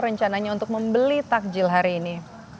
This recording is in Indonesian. rencananya untuk membeli takjil hari ini